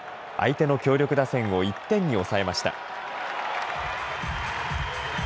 相手の強力打線を１点に抑えました。